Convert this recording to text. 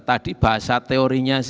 tadi bahasa teorinya